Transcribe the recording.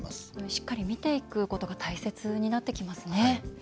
しっかり見ていくことが大切になってきますね。